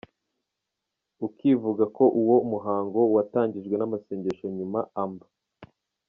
uk ivuga ko uwo muhango watangijwe n’amasengesho nyuma Amb.